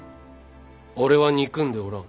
俺は憎んでおらん。